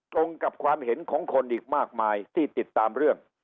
ตรงกับความเห็นของคนอีกมากมายที่ติดตามเรื่อง